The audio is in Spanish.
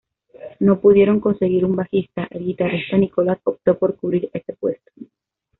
No pudiendo conseguir un bajista, el guitarrista Nicolas optó por cubrir ese puesto.